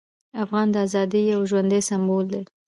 افغان د ازادۍ یو ژوندی سمبول دی.